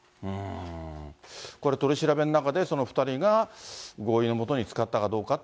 これ、取り調べの中で、２人が合意の下に使ったかどうかって